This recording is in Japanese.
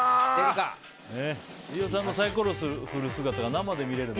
飯尾さんのサイコロ振る